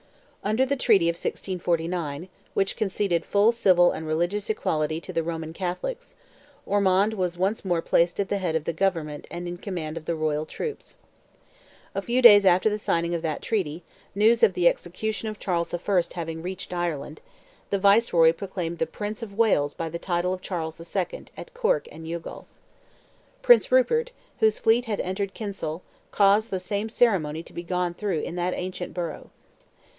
Under the treaty of 1649—which conceded full civil and religious equality to the Roman Catholics—Ormond was once more placed at the head of the government and in command of the royal troops. A few days after the signing of that treaty, news of the execution of Charles I. having reached Ireland, the Viceroy proclaimed the Prince of Wales by the title of Charles II., at Cork and Youghal. Prince Rupert, whose fleet had entered Kinsale, caused the same ceremony to be gone through in that ancient borough.